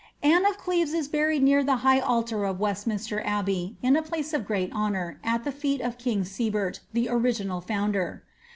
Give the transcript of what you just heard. Anne of Cleves is buried near the high altar of Westminster Abbej« in a place of great honour, at the feet of king Sebert the original found er.'